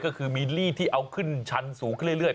ก็คือมีลี่ที่เอาขึ้นชั้นสูงขึ้นเรื่อย